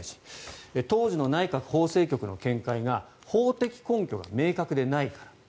当時の内閣法制局の見解が法的根拠が明確でないから。